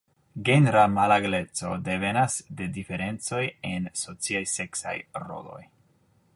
Genra malegaleco devenas de diferencoj en sociaj seksaj roloj.